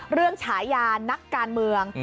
เรื่องฉายานักการเมือง